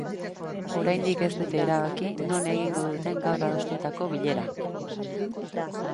Oraindik ez dute erabaki non egingo duten gaur adostutako bilera.